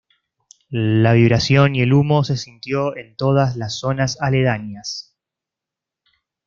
La vibración y el humo se sintió en todas las zonas aledañas.